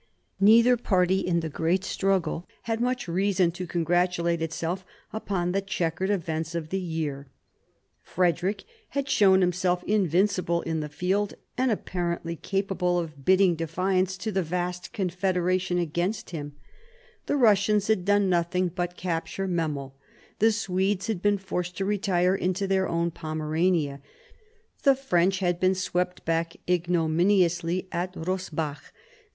Neither party in the great struggle had much reason to congratulate itself upon the checkered events of the year. Frederick had shown himself invincible in the field, and apparently capable of bidding defiance to the vast confederation against him ; the Eussians had done 142 MARIA THERESA chap, vii nothing but capture Memel ; the Swedes had been forced to retire into their own Pomerania ; the French had been swept back ignominiously at Eossbach.